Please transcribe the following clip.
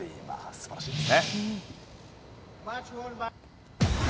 素晴らしいですね。